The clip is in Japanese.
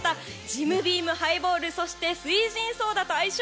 ジムビームハイボールそして翠ジンソーダと相性